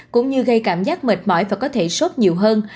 cũng như gây cảm giác mệt mỏi và có thể sốt nhiều hơn